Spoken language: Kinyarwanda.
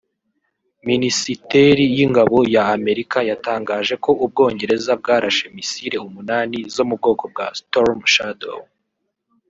Minisiteri y’Ingabo ya Amerika yatangaje ko u Bwongereza bwarashe missile umunani zo mu bwoko bwa Storm Shadow